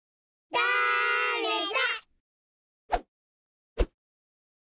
だれだ？